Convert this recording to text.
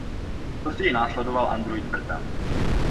Později následoval Android Beta.